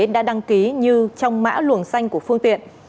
đã đăng ký như trong mã luồng xanh của phương tiện